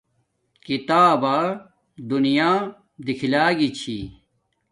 کتابا دونیا دیکھلاگی چھی